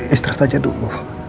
istirahat aja dulu